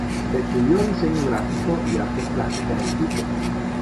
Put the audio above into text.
Estudió diseño gráfico y artes plásticas en Quito.